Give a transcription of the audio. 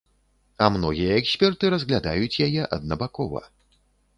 А многія эксперты разглядаюць яе аднабакова.